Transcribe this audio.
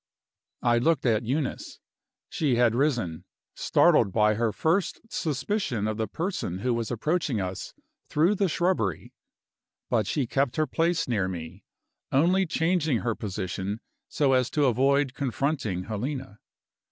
I looked at Eunice. She had risen, startled by her first suspicion of the person who was approaching us through the shrubbery; but she kept her place near me, only changing her position so as to avoid confronting Helena.